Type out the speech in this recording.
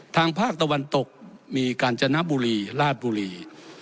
ทางภาคตะวันตกมีกาญจนบุรีราชบุรี